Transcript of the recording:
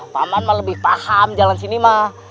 paman mah lebih paham jalan sini mah